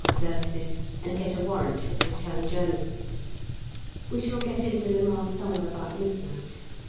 S. and get a warrant for the return journey. We shall get in to Le Mans somewhere about midnight.